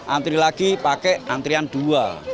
antri lagi pakai antrian dua